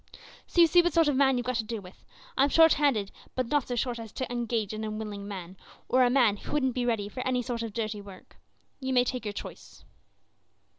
So you see what sort of man you've got to deal with. I'm short handed, but not so short as to engage an unwilling man, or a man who wouldn't be ready for any sort of dirty work. You may take your choice."